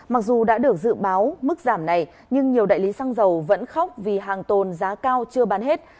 mặc dù đã được dự báo mức giảm này nhưng nhiều đại lý xăng dầu vẫn khóc vì hàng tồn giá cao chưa bán hết